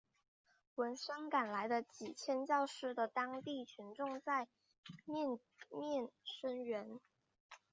闻声赶来的几千教师的当地群众在面面声援。